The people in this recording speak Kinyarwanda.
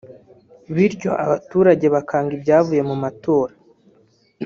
bityo abaturage bakanga ibyavuye mu matora